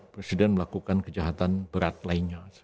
presiden melakukan kejahatan berat lainnya